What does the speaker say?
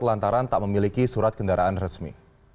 lantaran tak memiliki surat kendaraan resmi